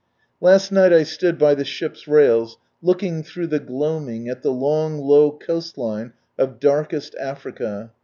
... Last night I stood by the ship's rails, looking through the gloaming, at the long low coast line of Darkest Africa.